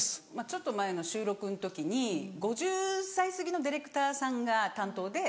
ちょっと前の収録の時に５０歳すぎのディレクターさんが担当で。